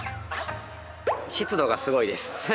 湿度がすごいです。